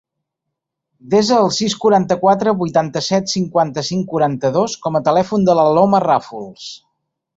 Desa el sis, quaranta-quatre, vuitanta-set, cinquanta-cinc, quaranta-dos com a telèfon de l'Aloma Rafols.